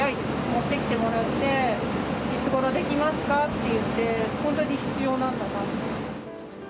持ってきてもらって、いつごろできますかって言って、本当に必要なんだなって。